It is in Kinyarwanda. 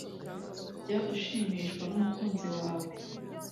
jya ushimishwa n’umukunzi wawe